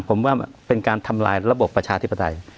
ผมว่าเป็นการทำลายระบบประชาธิปไตย